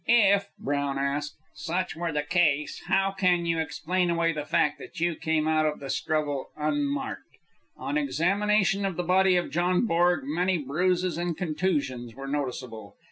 "If," Brown asked, "such were the case, how can you explain away the fact that you came out of the struggle unmarked? On examination of the body of John Borg, many bruises and contusions were noticeable.